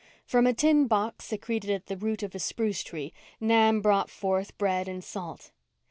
From a tin box secreted at the root of a spruce tree Nan brought forth bread and salt.